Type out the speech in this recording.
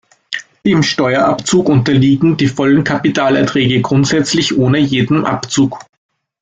Dem Steuerabzug unterliegen die vollen Kapitalerträge grundsätzlich ohne jeden Abzug.